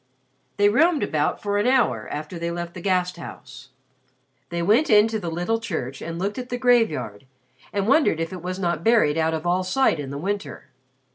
They roamed about for an hour after they left the Gasthaus. They went into the little church and looked at the graveyard and wondered if it was not buried out of all sight in the winter.